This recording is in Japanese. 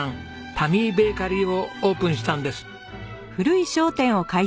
タミーベーカリーをオープンしたんです。